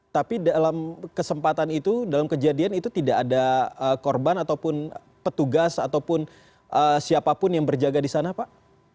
tapi dalam kesempatan itu dalam kejadian itu tidak ada korban ataupun petugas ataupun siapapun yang berjaga di sana pak